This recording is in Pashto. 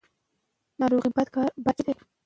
آیا ته د خپل هېواد تاریخ پېژنې؟